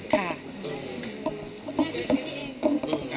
ค่ะ